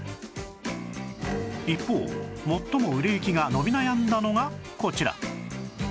一方最も売れ行きが伸び悩んだのがこちら